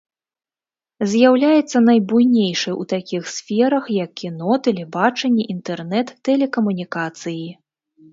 З'яўляецца найбуйнейшай у такіх сферах, як кіно, тэлебачанне, інтэрнэт, тэлекамунікацыі.